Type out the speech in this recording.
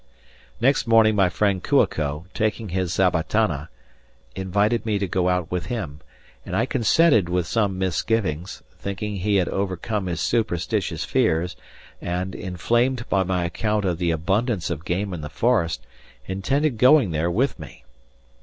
Next morning my friend Kua ko, taking his zabatana, invited me to go out with him, and I consented with some misgivings, thinking he had overcome his superstitious fears and, inflamed by my account of the abundance of game in the forest, intended going there with me.